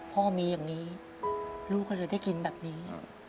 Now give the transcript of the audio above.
พ่อมีอย่างนี้ลูกก็เลยได้กินแบบนี้